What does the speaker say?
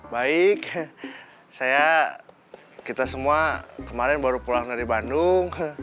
baik saya kita semua kemarin baru pulang dari bandung